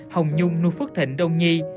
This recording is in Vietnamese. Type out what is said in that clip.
hồng nhung nui phước thịnh đông nhi